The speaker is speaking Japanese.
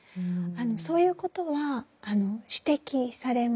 そういうことは指摘されます。